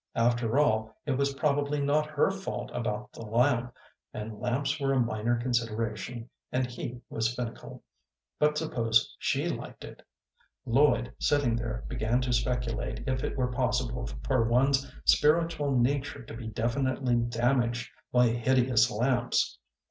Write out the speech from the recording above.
After all, it was probably not her fault about the lamp, and lamps were a minor consideration, and he was finical, but suppose she liked it? Lloyd, sitting there, began to speculate if it were possible for one's spiritual nature to be definitely damaged by hideous lamps.